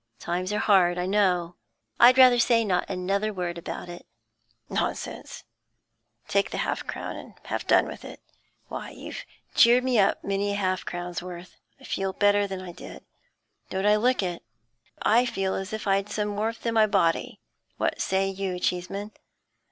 Times are hard, I know. I'd rather say not another word about it.' 'Nonsense; take the half crown and have done with it, Why, you've cheered me up many a half crownsworth; I feel better than I did. Don't I look it? I feel as if I'd some warmth in my body. What say you, Cheeseman?